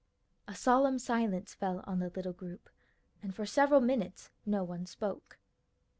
A solemn silence fell on the little group, and for several minutes no one spoke.